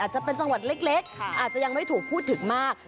จะเป็นจังหวัดเล็กอาจจะยังไม่ถูกพูดถึงมาก